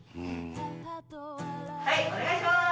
はいお願いします！